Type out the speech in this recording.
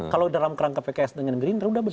kalau dalam kerangka pks dengan gerindra sudah benar